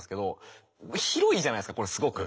広いじゃないですかこれすごく。